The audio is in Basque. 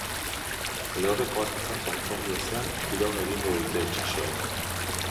Lehorreko arazoak konpondu ezean, iraun egingo dute itsasokoek.